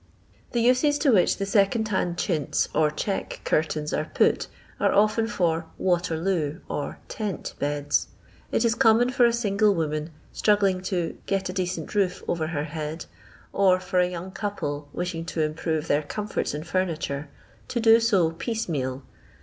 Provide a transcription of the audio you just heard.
The uses to which the second hand chintz or check curtains are put, are often for "Waterloo" or "tent" beds. It is common for a single woman, struggling to " get a decent roof over her head," or for a young couple wishing to improve their comforts in furniture, to do so piece meal.